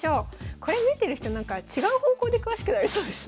これ見てる人なんか違う方向で詳しくなりそうですね。